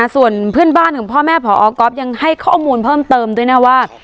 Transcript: ส่วนเพื่อนบ้านของพ่อแม่พอก๊อฟยังให้ข้อมูลเพิ่มเติมด้วยนะว่า